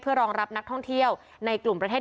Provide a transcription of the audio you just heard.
รองรับนักท่องเที่ยวในกลุ่มประเทศ